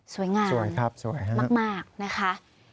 สวยงามมากนะคะ